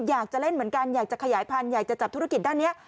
อยากจะเล่นเหมือนกันอยากจับธุรกิจทางนั้น